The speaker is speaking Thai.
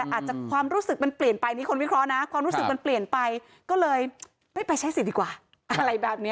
อาจจะความรู้สึกเป็นเปลี่ยนไปความรู้สึกเป็นเปลี่ยนไปก็เลยไปใช้สิทธิ์ดีกว่าอะไรแบบเนี้ย